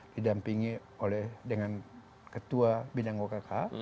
didampingi oleh dengan ketua bidang wkk